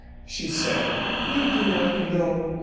she said, 'you do not know.